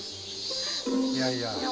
いやいや。